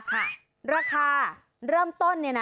ค่ะราคาเริ่มต้นเนี่ยนะ